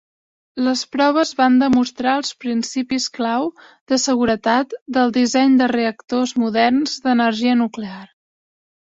Les proves van demostrar els principis clau de seguretat del disseny de reactors moderns d'energia nuclear.